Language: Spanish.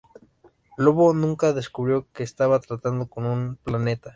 Lobo nunca descubrió que estaba tratando con un planeta.